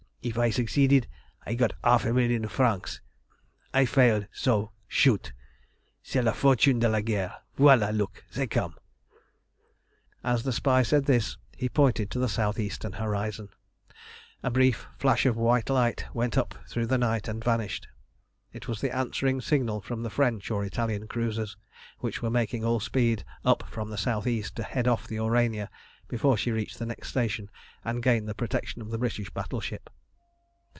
If I succeeded, I got half million francs. I fail, so shoot! C'est la fortune de la guerre! Voilà, look! They come!" As the spy said this he pointed to the south eastern horizon. A brief bright flash of white light went up through the night and vanished. It was the answering signal from the French or Italian cruisers, which were making all speed up from the south east to head off the Aurania before she reached the next station and gained the protection of the British battleship.